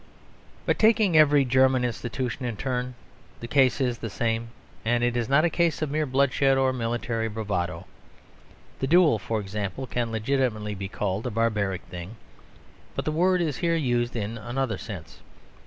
But taking every German institution in turn, the case is the same; and it is not a case of mere bloodshed or military bravado. The duel, for example, can legitimately be called a barbaric thing; but the word is here used in another sense.